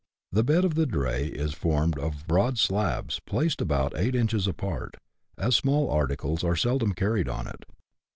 The bed of the dray is formed of broad slabs, placed about eight inches apart, as small articles are seldom carried on it.